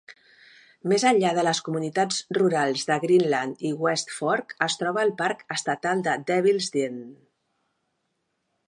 Més enllà de les comunitats rurals de Greenland i West Fork es troba el Parc Estatal de Devil's Den.